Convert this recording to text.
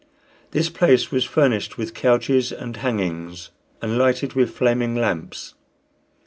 This place was furnished with couches and hangings, and lighted with flaming lamps.